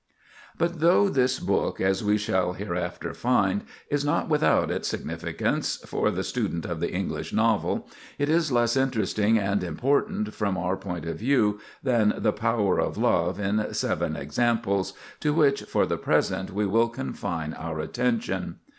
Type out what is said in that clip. But though this book, as we shall hereafter find, is not without its significance for the student of the English novel, it is less interesting and important from our point of view than "The Power of Love: In Seven Examples," to which for the present we will confine our attention.